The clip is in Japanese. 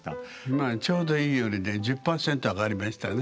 今はちょうどいいよりね１０％上がりましたね。